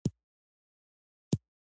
استاد د عمل له لارې سبق ورکوي.